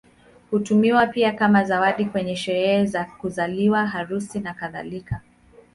Hutumiwa pia kama zawadi kwenye sherehe za kuzaliwa, harusi, nakadhalika.